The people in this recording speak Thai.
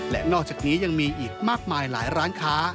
และนอกจากนี้ยังมีอีกมากมายหลายร้านค้า